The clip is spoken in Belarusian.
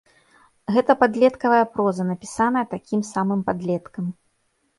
Гэта падлеткавая проза, напісаная такім самым падлеткам.